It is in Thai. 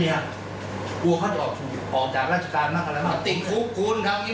ในเวลาระบบการแจ้งจุดสวย